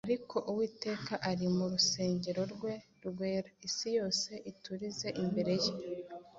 Ariko Uwiteka ari mu rusengero rwe rwera, isi yose iturize imbere ye.